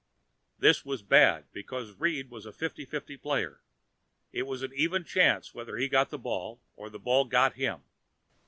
This was bad, because Reed was a fifty fifty player: It was an even chance whether he got the ball or the ball got him.